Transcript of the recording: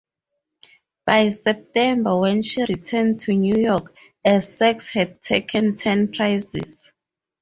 By September, when she returned to New York, "Essex" had taken ten prizes.